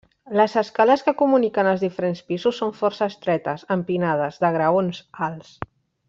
Les escales que comuniquen els diferents pisos són força estretes, empinades, de graons alts.